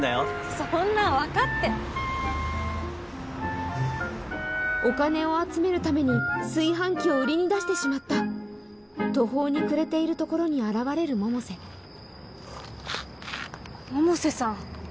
そんな分かってお金を集めるために炊飯器を売りに出してしまった途方に暮れているところに現れる百瀬百瀬さん